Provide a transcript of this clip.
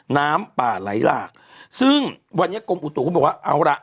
น้ำป่าไหลหลากซึ่งวันนี้กรมอุตุก็บอกว่าเอาล่ะ